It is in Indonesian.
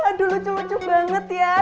aduh lucu lucu banget ya